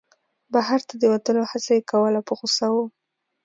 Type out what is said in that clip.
بهر ته د وتلو هڅه یې کوله په غوسه و.